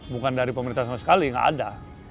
bukan dari pemerintah sama sekali nggak ada